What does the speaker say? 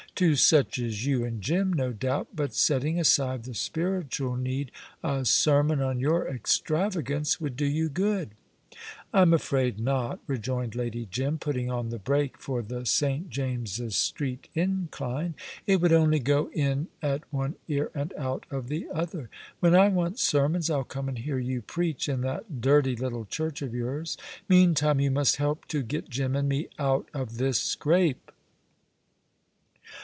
"To such as you and Jim, no doubt. But setting aside the spiritual need, a sermon on your extravagance would do you good." "I'm afraid not," rejoined Lady Jim, putting on the brake for the St. James's Street incline; "it would only go in at one ear and out of the other. When I want sermons I'll come and hear you preach in that dirty little church of yours. Meantime, you must help to get Jim and me out of this scrape."